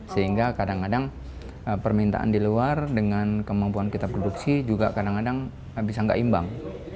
sehingga kadang kadang permintaan di luar dengan kemampuan kita produksi juga kadang kadang bisa nggak imbang